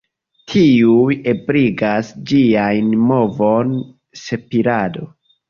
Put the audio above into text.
Tiuj ebligas ĝiajn movon, spirado.